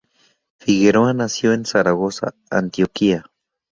Figueroa nació en Zaragoza, Antioquia.